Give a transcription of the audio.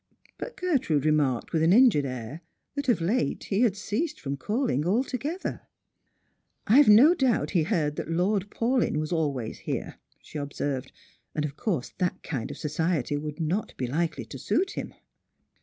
But Gertrude remarked with an injured air that of late he had ceased from calling altogether. " I've no doubt he heard that Lord Paulyn was always here," she observed ;" and of course that kind of society would not be likely to suit him."